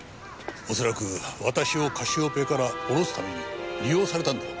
恐らく私をカシオペアから降ろすために利用されたんだろう。